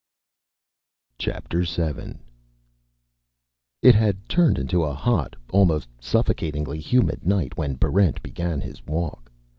Chapter Seven It had turned into a hot, almost suffocatingly humid night when Barrent began his walk.